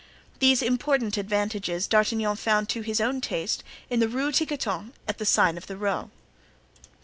These important advantages D'Artagnan found to his own taste in the Rue Tiquetonne at the sign of the Roe.